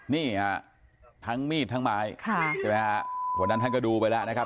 นี่ทั้งมีดทั้งไม้คนนั้นท่านก็ดูไปแล้วนะครับ